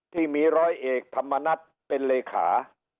ที่มีร้อยเอกธรรมนัฏเป็นเลขา